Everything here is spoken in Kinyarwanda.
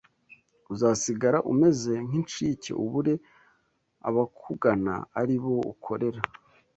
Uzasigara umeze nk’inshike ubure abakugana ari bo ukorera